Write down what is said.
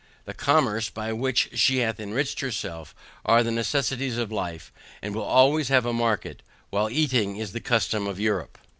The commerce, by which she hath enriched herself are the necessaries of life, and will always have a market while eating is the custom of Europe.